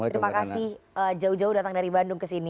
terima kasih jauh jauh datang dari bandung kesini